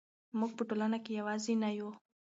موږ په ټولنه کې یوازې نه یو.